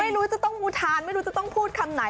ไม่รู้จะต้องอุทานไม่รู้จะต้องพูดคำไหน